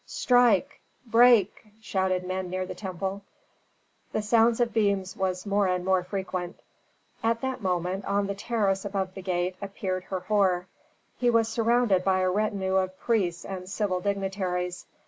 "Strike! break!" shouted men near the temple. The sound of beams was more and more frequent. At that moment on the terrace above the gate appeared Herhor. He was surrounded by a retinue of priests and civil dignitaries.